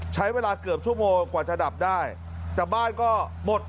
ใช้เวลาเกือบชั่วโมงกว่าจะดับได้แต่บ้านก็หมด